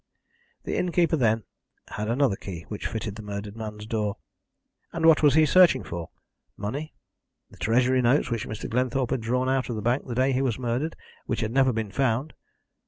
The innkeeper, then, had another key which fitted the murdered man's door. And what was he searching for? Money? The treasury notes which Mr. Glenthorpe had drawn out of the bank the day he was murdered, which had never been found?